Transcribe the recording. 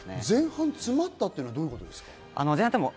前半、詰まったというのはどういうことですか？